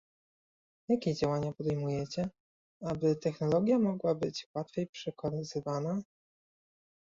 Jakie działania podejmujecie, aby technologia mogła być łatwiej przekazywana?